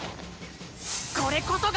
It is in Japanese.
これこそが！